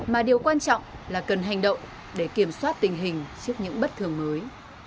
mà điều quan trọng là cần hành động để kiểm soát tình hình trước những bất thường mới